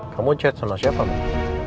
kamu chat sama siapa bu